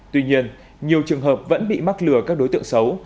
tuy nhiên nhiều trường hợp vẫn bị mắc lừa các đối tượng xấu